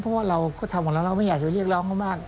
เพราะว่าเราก็ทำกันแล้วเราไม่อยากจะไปเรียกร้องกันมาก